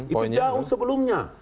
itu jauh sebelumnya